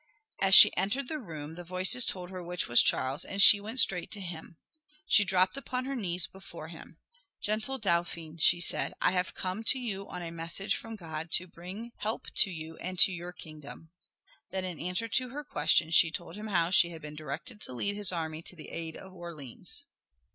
As she entered the room the voices told her which was Charles and she went straight to him. She dropped upon her knee before him. "Gentle Dauphin," she said, "I have come to you on a message from God, to bring help to you and to your kingdom." Then in answer to his questions, she told him how she had been directed to lead his army to the aid of Orleans.